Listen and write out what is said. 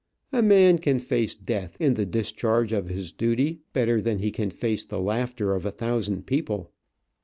A man can face death, in the discharge of his duty, better than he can face the laughter of a thousand people.